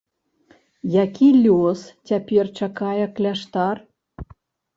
Які лёс цяпер чакае кляштар?